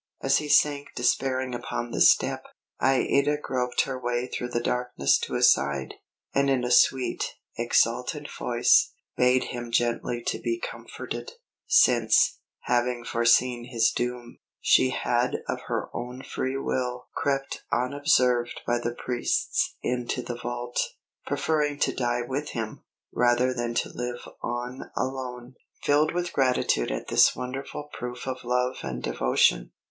As he sank despairing upon the step, Aïda groped her way through the darkness to his side; and in a sweet, exultant voice, bade him gently to be comforted, since, having foreseen his doom, she had of her own free will crept unobserved by the priests into the vault, preferring to die with him, rather than to live on alone. Filled with gratitude at this wonderful proof of love and devotion.